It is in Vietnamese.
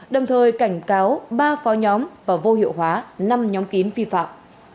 đồng thời cảnh cáo ba phó nhóm và vô hiệu hóa năm nhóm kín vi phạm